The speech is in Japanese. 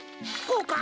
こうか？